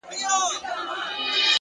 صبر د بریا پخېدل ګړندي کوي